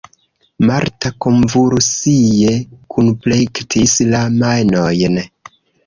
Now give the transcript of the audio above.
Marta konvulsie kunplektis la manojn.